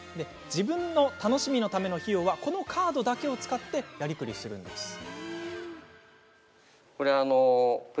自分の楽しみのための費用はこのカードだけを使ってやりくりするんです。